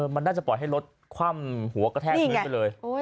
มันน่าจะปล่อยให้รถคว่ำหัวกระแทกพื้นไปเลย